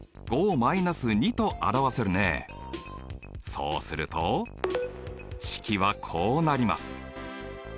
そうすると式はこうなります。